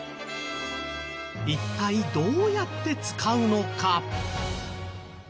一体どうやって使うのか？